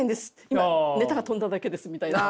今ネタが飛んだだけですみたいな。